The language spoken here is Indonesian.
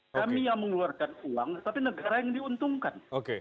kami yang mengeluarkan uang tapi negara yang diuntungkan